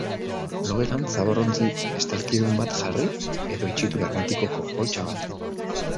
Logelan zabor-ontzi estalkidun bat jarri, edo itxitura hermetikoko poltsa bat.